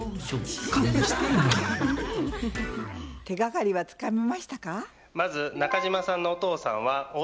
手がかりはつかめましたか？